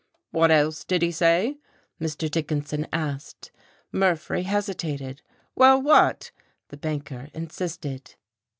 "What else did he say?" Mr. Dickinson asked. Murphree hesitated. "Well what?" the banker insisted.